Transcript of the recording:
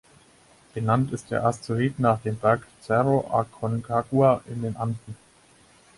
Benannt ist der Asteroid nach dem Berg Cerro Aconcagua in den Anden.